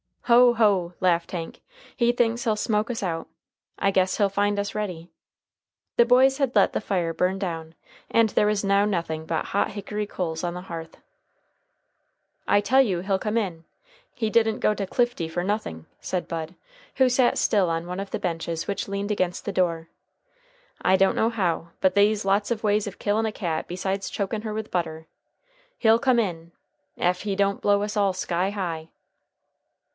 "Ho! ho!" laughed Hank, "he thinks he'll smoke us out. I guess he'll find us ready." The boys had let the fire burn down, and there was now nothing but hot hickory coals on the hearth. "I tell you he'll come in. He didn't go to Clifty fer nothing" said Bud, who sat still on one of the benches which leaned against the door. "I don't know how, but they's lots of ways of killing a cat besides chokin' her with butter. He'll come in ef he don't blow us all sky high!"